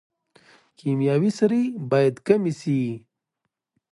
کیمیاوي سره باید کمه شي